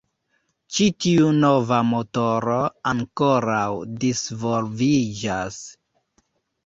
Ĉi tiu nova motoro ankoraŭ disvolviĝas.